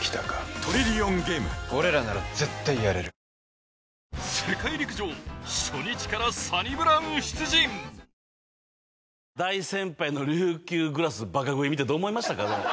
香りに驚くアサヒの「颯」大先輩の琉球グラスバカ食い見てどう思いましたか？